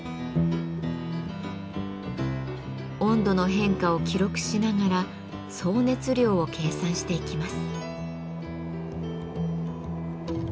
温度の変化を記録しながら総熱量を計算していきます。